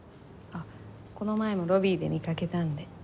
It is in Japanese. あっこの前もロビーで見かけたんで。